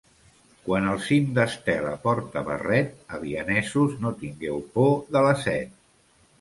Quan el cim d'Estela porta barret, avianesos no tingueu por de la set.